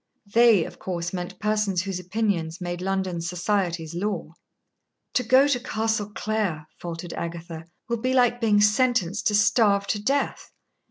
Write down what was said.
"They," of course, meant persons whose opinions made London's society's law. "To go to Castle Clare," faltered Agatha, "will be like being sentenced to starve to death.